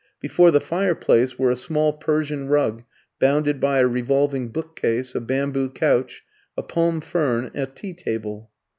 Before the fireplace were a small Persian rug bounded by a revolving book case, a bamboo couch, a palm fern, a tea table.